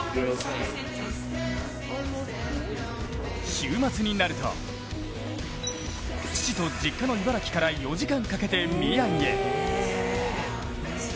週末になると、父と実家の茨城から４時間かけて宮城へ。